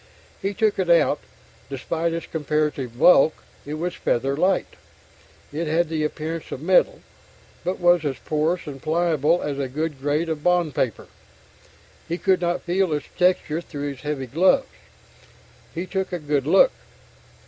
He took it out; despite its comparative bulk, it was feather light. It had the appearance of metal, but was as porous and pliable as a good grade of bond paper. He could not feel its texture through his heavy gloves. He took a good look.